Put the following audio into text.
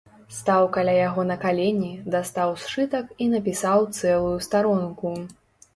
Стаў каля яго на калені, дастаў сшытак і напісаў цэлую старонку.